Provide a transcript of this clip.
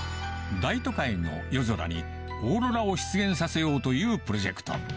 大都会の夜空にオーロラを出現させようというプロジェクト。